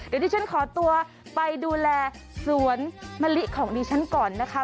เดี๋ยวที่ฉันขอตัวไปดูแลสวนมะลิของดิฉันก่อนนะคะ